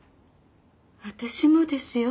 私もですよ。